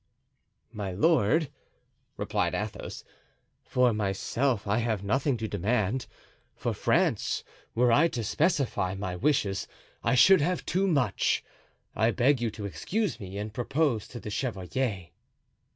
"My lord," replied Athos, "for myself I have nothing to demand. For France, were I to specify my wishes, I should have too much. I beg you to excuse me and propose to the chevalier."